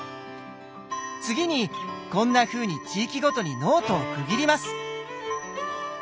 次にこんなふうに地域ごとにノートを区切ります。